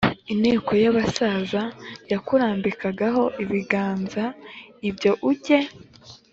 inteko y abasaza yakurambikagaho ibiganza v Ibyo ujye